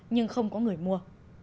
nhưng không có người mua